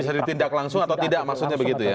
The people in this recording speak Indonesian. bisa ditindak langsung atau tidak maksudnya begitu ya